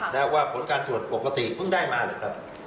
แล้วว่าผลการตรวจปกติเพิ่งได้มาหรือครับ